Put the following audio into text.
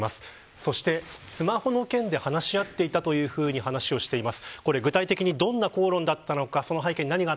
そして、スマホの件で話し合っていたというふうに話をしています。